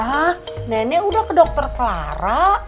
ah nenek udah ke dokter clara